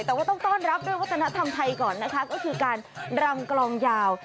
แต่ว่าต้องต้อนรับด้วยวัฒนธรรมไทยก่อนนะคะก็คือการรำกลองยาว